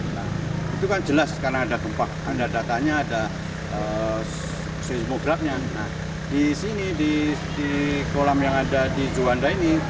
itu kan jelas karena ada gempa anda datanya ada sebuah gelapnya di sini di kolam yang ada di juanda